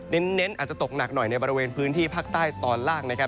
เน้นอาจจะตกหนักหน่อยในบริเวณพื้นที่ภาคใต้ตอนล่างนะครับ